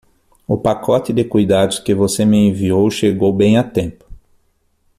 O pacote de cuidados que você me enviou chegou bem a tempo.